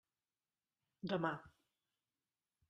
Demà.